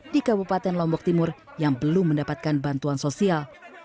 di kabupaten lombok timur yang belum mendapatkan bantuan sosial